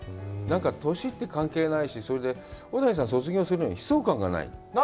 なんか、年って関係ないし、それで、小田井さん卒業するのに悲壮感がない。